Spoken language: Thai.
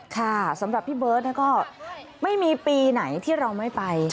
ค่ะสำหรับพี่เบิร์ตก็ไม่มีปีไหนที่เราไม่ไป